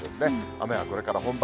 雨はこれから本番。